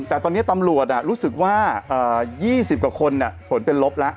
แต่ตอนนี้ตำรวจรู้สึกว่า๒๐กว่าคนผลเป็นลบแล้ว